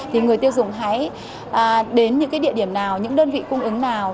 thì người tiêu dùng hãy đến những cái địa điểm nào những đơn vị cung ứng nào